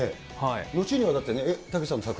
後にはだってね、たけしさん